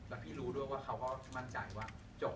แล้วพี่รู้ด้วยว่าเขาก็มั่นใจว่าจบ